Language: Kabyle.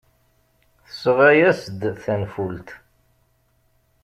Tesɣa-as-d tanfult.